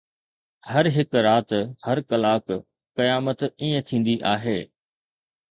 هر هڪ رات، هر ڪلاڪ، قيامت ائين ٿيندي آهي